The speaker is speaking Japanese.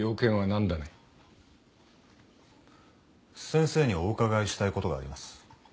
先生にお伺いしたいことがあります。